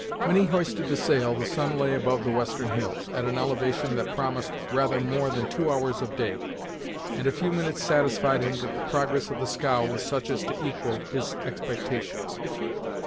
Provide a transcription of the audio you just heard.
When he hoisted the sail, the sun lay above the western hills, at an elevation that promised rather more than two hours of day; and a few minutes satisfied him that the progress of the scow was such as to equal his expectations.